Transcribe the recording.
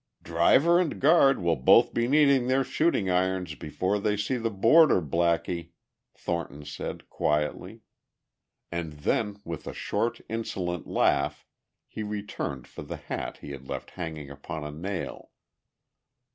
"Driver and guard will both be needing their shooting irons before they see the border, Blackie," Thornton said quietly. And then with a short, insolent laugh he returned for the hat he had left hanging upon a nail.